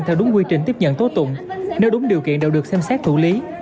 theo đúng quy trình tiếp nhận tố tụng nếu đúng điều kiện đều được xem xét thủ lý